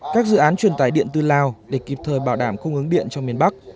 các dự án truyền tải điện từ lào để kịp thời bảo đảm khung ứng điện trong miền bắc